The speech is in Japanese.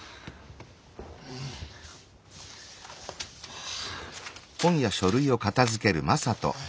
はあ。